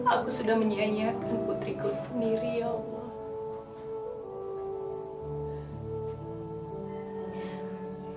aku sudah menyianyiakan putriku sendiri ya allah